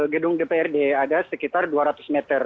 gedung dprd ada sekitar dua ratus meter